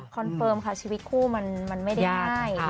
คอนเฟิร์มชีวิตคู่มันไม่ได้หน้าย